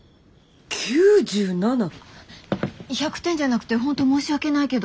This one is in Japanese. ９７？１００点じゃなくて本当申し訳ないけど。